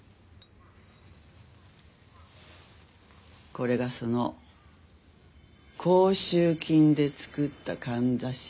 これがその甲州金で作った簪よ。